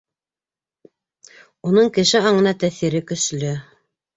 Уның кеше аңына тәьҫире көслө.